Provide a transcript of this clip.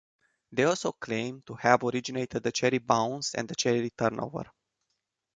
They also claim to have originated the Cherry Bounce and the Cherry Turnover.